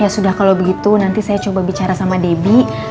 ya sudah kalau begitu nanti saya coba bicara sama debbie